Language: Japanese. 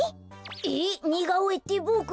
えっ？にがおえってぼくの？